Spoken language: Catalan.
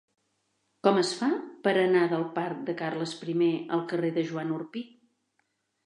Com es fa per anar del parc de Carles I al carrer de Joan Orpí?